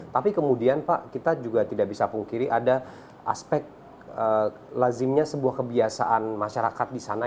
tapi kemudian pak kita juga tidak bisa pungkiri ada aspek lazimnya sebuah kebiasaan masyarakat di sana